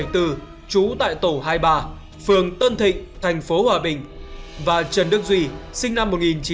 trú tại tổ hai mươi ba phường tân thịnh thành phố hòa bình và trần đức duy sinh năm một nghìn chín trăm tám mươi